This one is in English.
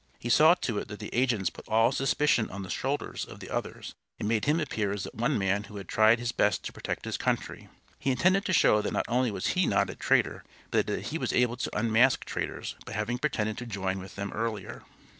He saw to it that the agents put all suspicion on the shoulders of the others, and made him appear as the one man who had tried his best to protect his country. He intended to show that not only was he not a traitor, but that he was able to unmask traitors, by having pretended to join with them earlier.